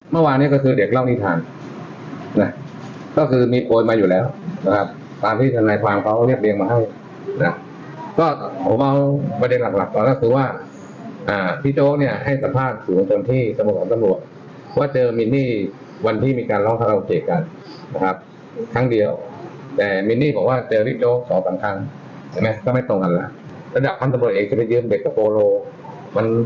เมื่อวานเนี่ยก็คือเด็กเล่านิทานนะก็คือมีโปรดมาอยู่แล้วนะครับตามที่สัญลัยความเขาเรียกเรียงมาให้นะก็ผมเอาบันไดหลักตอนนั้นคือว่าอ่าพี่โจ๊กเนี่ยให้สัมภาษณ์สู่วันจนที่สมุทรอันตรวจว่าเจอมินี่วันที่มีการร้องคาราวเกตกันนะครับครั้งเดียวแต่มินี่บอกว่าเจอพี่โจ๊กสอบบางครั้งเห็นไหมก็ไม